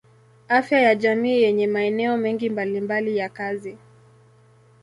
Afya ya jamii yenye maeneo mengi mbalimbali ya kazi.